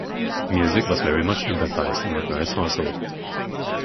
Music was very much emphasized in the Grice household.